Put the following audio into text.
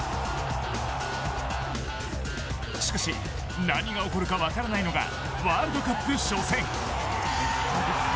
しかし何が起こるか分からないのがワールドカップ初戦。